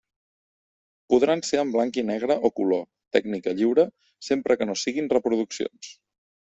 Podran ser en blanc i negre o color, tècnica lliure, sempre que no siguen reproduccions.